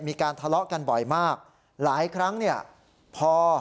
มีการทะเลาะกันบ่อยมากหลายครั้งเนี่ยพอ